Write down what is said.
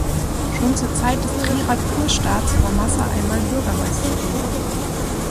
Schon zur Zeit des Trierer Kurstaats war Mazza einmal Bürgermeister gewesen.